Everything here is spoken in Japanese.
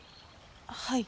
はい。